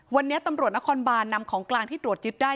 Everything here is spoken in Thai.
วันนี้ตำรวจนครบานนำของกลางที่ตรวจยึดได้